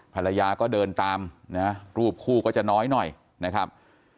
ภรรยาก็เดินตามนะรูปคู่ก็จะน้อยหน่อยนะครับ